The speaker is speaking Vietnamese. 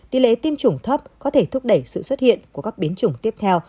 tỷ lệ tiêm chủng thấp có thể thúc đẩy sự xuất hiện của các biến chủng tiếp theo